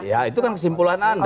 ya itu kan kesimpulan anda